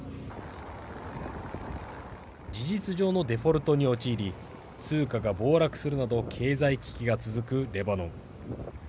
事実上のデフォルトに陥り通貨が暴落するなど経済危機が続くレバノン。